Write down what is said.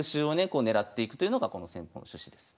こう狙っていくというのがこの戦法の趣旨です。